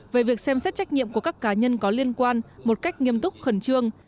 về việc xem xét trách nhiệm của các cá nhân có liên quan một cách nghiêm túc khẩn trương